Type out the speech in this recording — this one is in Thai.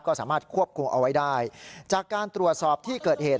ก็สามารถควบคุมเอาไว้ได้จากการตรวจสอบที่เกิดเหตุ